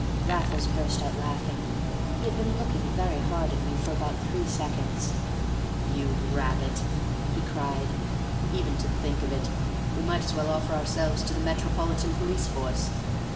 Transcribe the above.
Raffles burst out laughing; he had been looking very hard at me for about three seconds. "You rabbit," he cried, "even to think of it! We might as well offer ourselves to the Metropolitan Police Force.